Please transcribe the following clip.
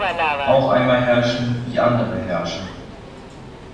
Auch einmal herrschen, wie andere herrschen!